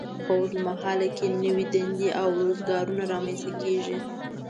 په اوږد مهال کې نوې دندې او روزګارونه رامینځته کیږي.